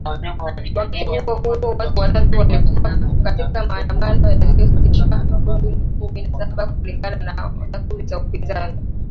Wakati huo huo watu watatu walikufa katika maandamano yaliyositishwa hapo Juni kumi na saba kulingana na takwimu za upinzani .